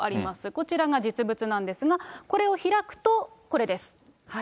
こちらが実物なんですが、これを開くと、これです。